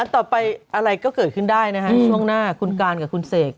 ต่อไปอะไรก็เกิดขึ้นได้นะฮะช่วงหน้าคุณการกับคุณเสก